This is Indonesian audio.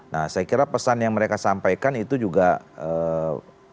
nah saya kira pesan yang mereka sampaikan itu juga ee